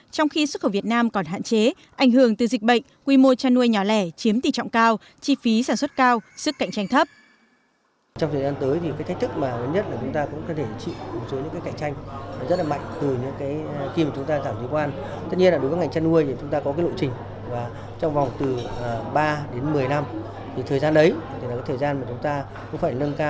trong khi xuất khẩu việt nam còn hạn chế ảnh hưởng từ dịch bệnh quy mô chăn nuôi nhỏ lẻ chiếm tỷ trọng cao chi phí sản xuất cao sức cạnh tranh thấp